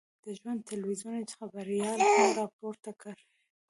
د ژوندون تلویزون خبریال مو را پورته کړ.